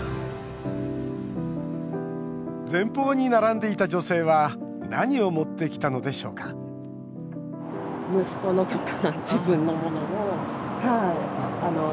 前方に並んでいた女性は何を持ってきたのでしょうか家族の冬服。